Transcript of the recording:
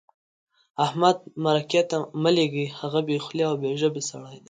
احمد مرکې ته مه لېږئ؛ هغه بې خولې او بې ژبې سړی دی.